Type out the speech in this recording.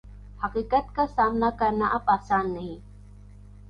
حقیقت کا سامنا کرنا اب آسان نہیں